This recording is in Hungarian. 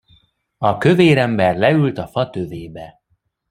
A kövér ember leült a fa tövébe.